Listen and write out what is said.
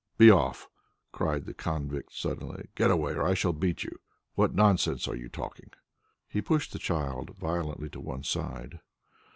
"Be off," cried the convict suddenly. "Get away, or I shall beat you. What nonsense are you talking?" He pushed the child violently to one side.